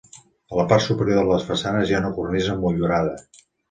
A la part superior de les façanes hi ha una cornisa motllurada.